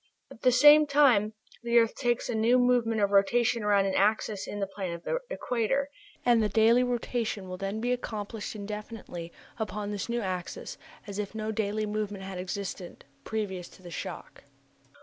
At the same time the earth takes a new movement of rotation around an axis in the plane of the equator, and the daily rotation will then be accomplished indefinitely upon this new axis, as if no daily movement had existed previous to the shock.